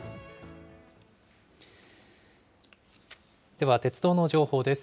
では鉄道の情報です。